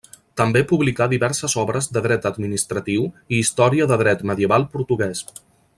També publicà diverses obres de dret administratiu i història de dret medieval portuguès.